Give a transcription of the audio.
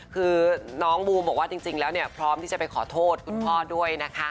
คือน้องบูมบอกว่าจริงแล้วเนี่ยพร้อมที่จะไปขอโทษคุณพ่อด้วยนะคะ